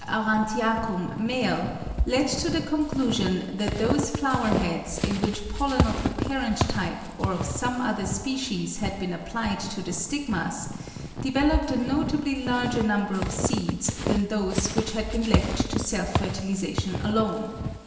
aurantiacum $ led to the conclusion that those flower heads in which pollen of the parent type or of some other species had been applied to the stigmas, developed a notably larger number of seeds than those which had been left to self fertilisation alone.